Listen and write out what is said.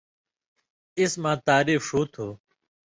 اسماں تعریف ݜُو تُھو